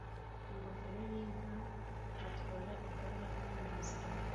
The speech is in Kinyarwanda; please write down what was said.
ingofero yinka atwara igare rye munzira